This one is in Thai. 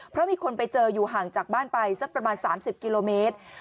เพราะมีคนไปเจออยู่ห่างจากบ้านไปสักประมาณ๓๐กิโลเมตร